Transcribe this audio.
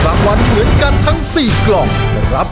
ครอบครัวของแม่ปุ้ยจังหวัดสะแก้วนะครับ